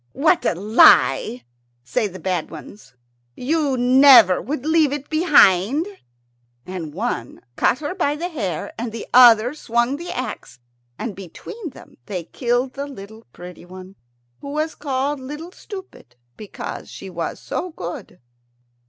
"What a lie!" say the bad ones. "You never would leave it behind." And one caught her by the hair, and the other swung the axe, and between them they killed the little pretty one, who was called Little Stupid because she was so good.